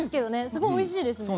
すごいおいしいですね。